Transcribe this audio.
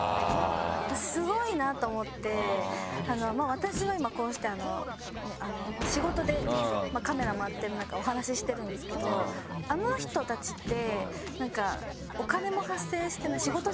私は今こうして仕事でカメラ回ってる中お話ししてるんですけどあの人たちって。